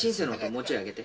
もうちょい上げて。